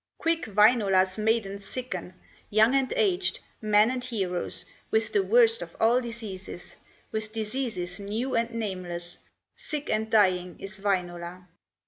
Quick Wainola's maidens sicken, Young and aged, men and heroes, With the worst of all diseases, With diseases new and nameless; Sick and dying is Wainola.